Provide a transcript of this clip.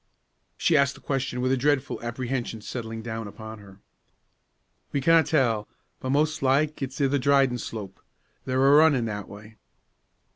She asked the question with a dreadful apprehension settling down upon her. "We canna tell; but mos' like it's i' the Dryden Slope. They're a runnin' that way."